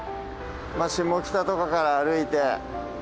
下北とかから歩いて。